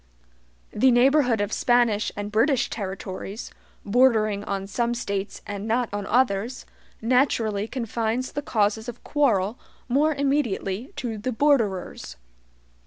The neighborhood of Spanish and British territories, bordering on some States and not on others, naturally confines the causes of quarrel more immediately to the borderers.